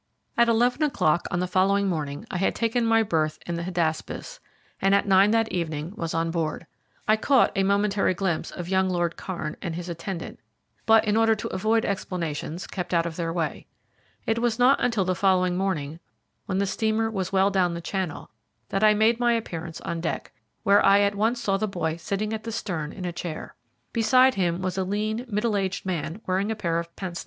At eleven o'clock on the following morning I had taken my berth in the Hydaspes, and at nine that evening was on board. I caught a momentary glimpse of young Lord Kairn and his attendant, but in order to avoid explanations kept out of their way. It was not until the following morning, when the steamer was well down Channel, that I made my appearance on deck, where I at once saw the boy sitting at the stern in a chair. Beside him was a lean, middle aged man wearing a pair of pince nez.